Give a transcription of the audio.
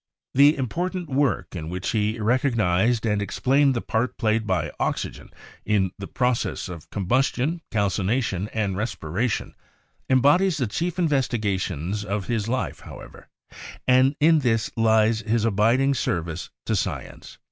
The important work in which he recognised and explained the part played by oxygen in the process of combustion, calcination, and respiration embodies the chief investigations of his life, however, and in this lies his abiding service to science.